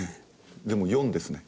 でも４ですね。